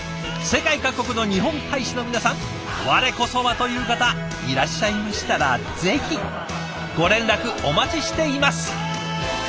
世界各国の日本大使の皆さん「我こそは！」という方いらっしゃいましたらぜひご連絡お待ちしています。